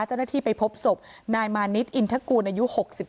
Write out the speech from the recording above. เจ้าหน้าที่ไปพบศพนายมานิดอินทกูลอายุ๖๒